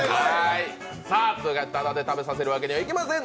ただで食べさせるわけにはいきません。